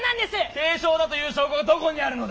軽症だという証拠がどこにあるのだ！